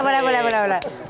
boleh boleh boleh